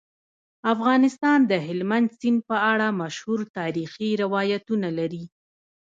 افغانستان د هلمند سیند په اړه مشهور تاریخی روایتونه لري.